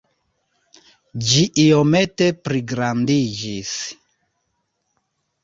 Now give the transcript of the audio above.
Ĝi iomete pligrandiĝis.